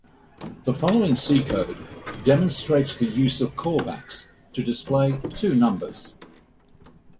The following C code demonstrates the use of callbacks to display two numbers.